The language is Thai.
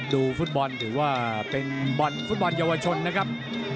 ดูฟุตบอลถือว่าเป็นบอลฟุตบอลเยาวชนนะครับ